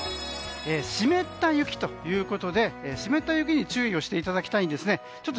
湿った雪ということで湿った雪に注意をしていただきたいんですね。